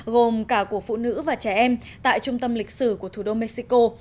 gồm cả của phụ nữ và trẻ em tại trung tâm lịch sử của thủ đô mexico